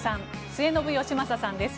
末延吉正さんです。